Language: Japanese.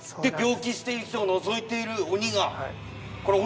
病気している人をのぞいている鬼が。